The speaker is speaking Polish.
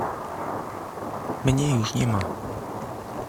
— Mnie już nie ma!